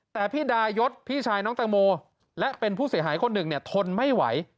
แต่พี่ดายศพี่ชายน้องแตงโมและเป็นผู้เสียหายคนหนึ่งเนี่ยทนไม่ไหว